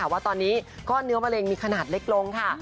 ว่าตอนนี้ก้อนเนื้อมะเร็งมีขนาดเล็กลงค่ะ